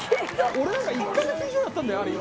俺なんか１カ月以上やったんだよ。